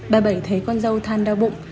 bà bảy thấy con dâu than đau bụng